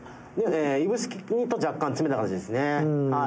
指宿と若干詰めた感じですね。